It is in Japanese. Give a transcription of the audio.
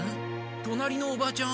隣のおばちゃん？